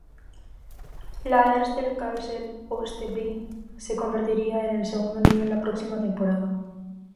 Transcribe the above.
La Eerste Klasse Oeste-B se convertiría en el segundo nivel la próxima temporada.